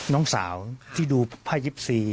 น้องสาวที่ดูผ้า๒๔